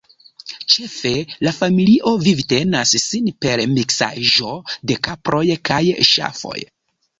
Ĉefe la familio vivtenas sin per miksaĵo de kaproj kaj ŝafoj.